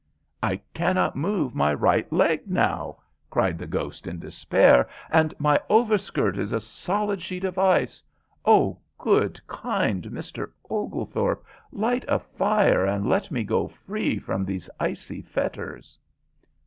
"I cannot move my right leg now," cried the ghost, in despair, "and my overskirt is a solid sheet of ice. Oh, good, kind Mr. Oglethorpe, light a fire, and let me go free from these icy fetters."